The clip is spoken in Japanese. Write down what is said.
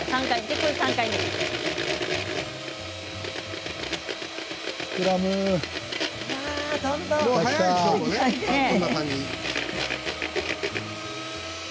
こんな感じ。